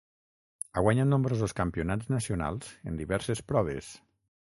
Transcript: Ha guanyat nombrosos campionats nacionals en diferents proves.